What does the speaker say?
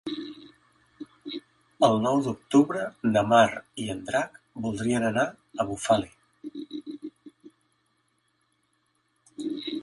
El nou d'octubre na Mar i en Drac voldrien anar a Bufali.